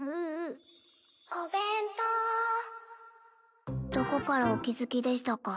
お弁当どこからお気付きでしたか？